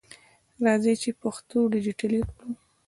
راځئ چې پښتو ډیجټالي کړو!